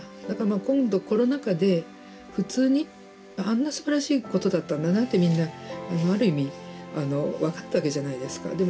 だから今度コロナ禍で、普通にあんなすばらしいことだったんだなってみんな、ある意味分かったわけじゃないですか。